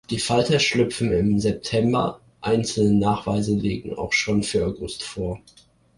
Die Falter schlüpfen im September, einzelne Nachweise liegen auch schon für August vor.